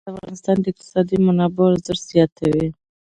ننګرهار د افغانستان د اقتصادي منابعو ارزښت زیاتوي.